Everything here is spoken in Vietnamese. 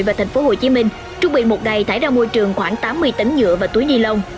và tp hcm chuẩn bị một đầy thải ra môi trường khoảng tám mươi tấn nhựa và túi ni lông